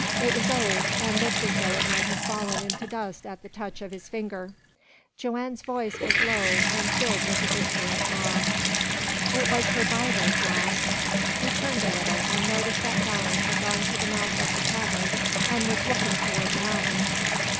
It was old, and looked as though it might have fallen into dust at the touch of his finger. Joanne's voice was low and filled with a whispering awe. "It was her Bible, John!" He turned a little, and noticed that Donald had gone to the mouth of the cavern, and was looking toward the mountain.